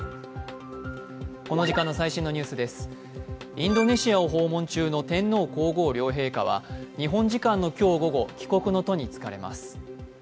インドネシアを訪問中の天皇皇后両陛下は日本時間の今日午後、帰国の途につかれます。